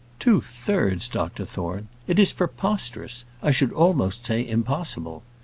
Two thirds, Dr Thorne! It is preposterous; I should almost say impossible."